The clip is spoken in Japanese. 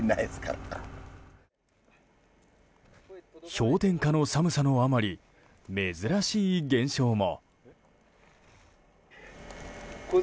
氷点下の寒さのあまり珍しい現象も。